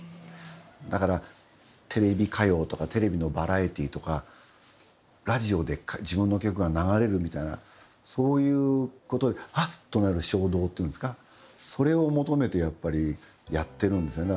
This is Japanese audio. だからテレビ歌謡とかテレビのバラエティーとかラジオで自分の曲が流れるみたいなそういうことではっとなる衝動っていうんですかそれを求めてやっぱりやってるんですよね。